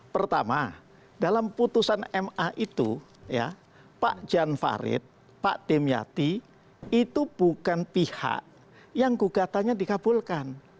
pertama dalam putusan ma itu ya pak jan farid pak demyati itu bukan pihak yang gugatannya dikabulkan